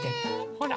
ほら！